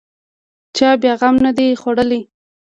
چا بیا غم نه دی خوړلی.